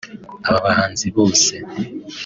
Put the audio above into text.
Aba bahanzi bose